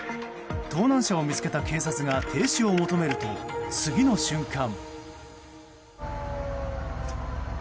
盗難車を見つけた警察が停止を求めると、次の瞬間。